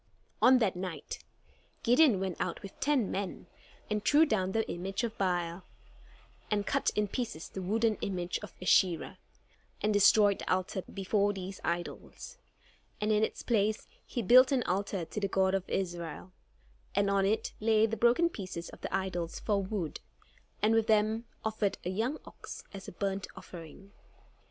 On that night, Gideon went out with ten men, and threw down the image of Baal, and cut in pieces the wooden image of Asherah, and destroyed the altar before these idols. And in its place he built an altar to the God of Israel; and on it laid the broken pieces of the idols for wood, and with them offered a young ox as a burnt offering.